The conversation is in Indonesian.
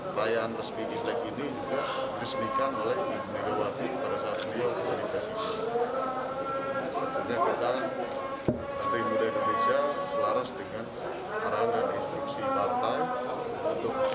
pertama banteng muda indonesia selaras dengan arahan dan instruksi bantai